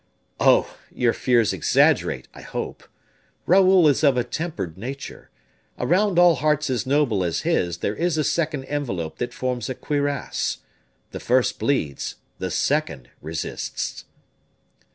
"Oh! your fears exaggerate, I hope. Raoul is of a tempered nature. Around all hearts as noble as his, there is a second envelope that forms a cuirass. The first bleeds, the second resists."